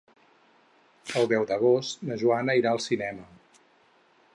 El deu d'agost na Joana irà al cinema.